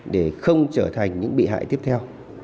để không trở thành những bị hại tiếp theo